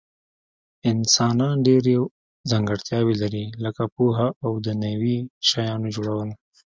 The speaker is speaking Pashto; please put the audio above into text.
انسانان ډیر ځانګړتیاوي لري لکه پوهه او د نوي شیانو جوړول